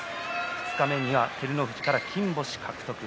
二日目には照ノ富士から金星獲得。